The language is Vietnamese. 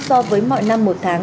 so với mọi năm một tháng